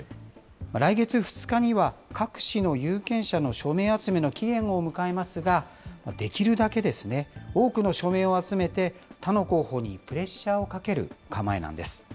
来月２日には、郭氏の有権者の署名集めの期限を迎えますが、できるだけ多くの署名を集めて、他の候補にプレッシャーをかける構えなんです。